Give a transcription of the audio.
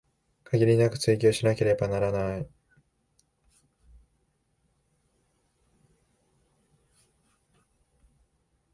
限りなく追求しなければならない